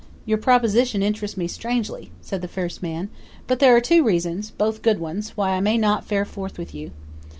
"Your proposition interests me strangely," said the first man; "but there are two reasons both good ones why I may not fare forth with you.